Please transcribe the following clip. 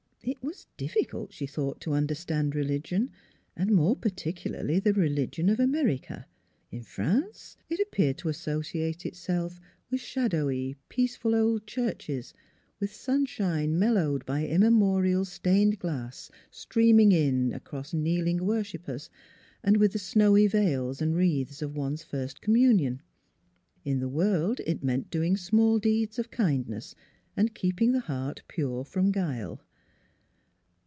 It was difficult, she thought, to understand religion, and more par ticularly the religion of America. In France it appeared to associate itself with shadowy, peace ful old churches, with sunshine mellowed by im memorial stained glass streaming in across kneel ing worshipers, and with the snowy veils and wreaths of one's first communion. In the world it meant doing small deeds of kindness and keeping the heart pure from guile.